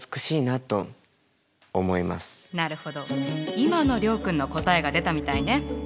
今の諒君の答えが出たみたいね。